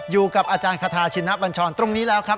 อยู่กับอาจารย์คาทาชินบัญชรตรงนี้แล้วครับ